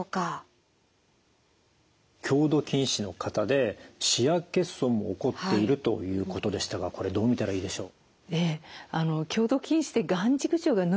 強度近視の方で視野欠損も起こっているということでしたがこれどう見たらいいでしょう？